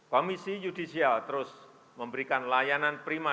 komisi yudisial terus memberikan layanan prima